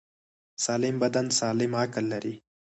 سالم بدن سالم عقل لري.